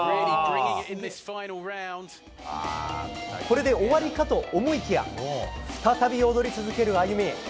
これで終わりかと思いきや再び踊り続けるあゆみ。